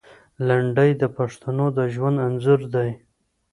لنډۍ د پښتنو د ژوند انځور دی.